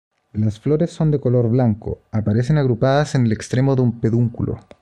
Las flores son de color blanco, aparecen agrupadas en el extremo de un pedúnculo.